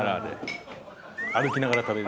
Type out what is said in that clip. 歩きながら食べる。